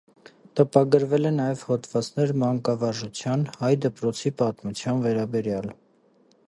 Տպագրել է նաև հոդվածներ մանկավարժության, հայ դպրոցի պատմության վերաբերյալ։